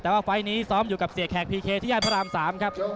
แต่ว่าไฟล์นี้ซ้อมอยู่กับเสียแขกพีเคที่ย่านพระราม๓ครับ